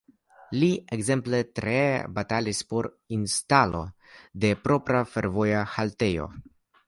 Li ekzemple tre batalis por instalo de propra fervoja haltejo.